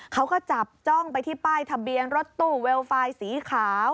เขาก็จับจ้องไปที่ป้ายทะเบียนรถตู้เวลไฟล์สีขาว